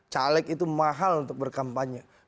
caleg itu mahal untuk berkampanye